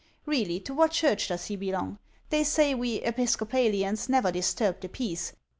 Really, to what church does he belong? They say we Episcopalians never disturb the peace.